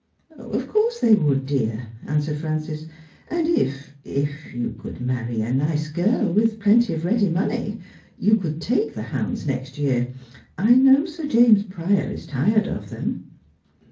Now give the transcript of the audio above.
Of course they would, dear,' answered Frances ;' and if — if you could marry a nice girl with plenty of ready money you could take the hounds next year. I know Sir James Prior is tired of them.'